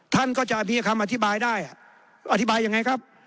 ท่านก็จะมีคำอธิบายได้อธิบายยังไงครับ